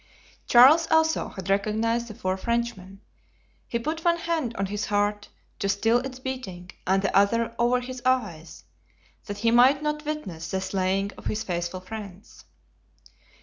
Charles also had recognized the four Frenchmen. He put one hand on his heart to still its beating and the other over his eyes, that he might not witness the slaying of his faithful friends.